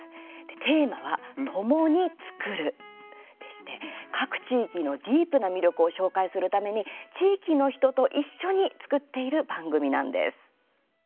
テーマは、ともに作るでして各地域のディープな魅力を紹介するために地域の人と一緒に作っている番組なんです。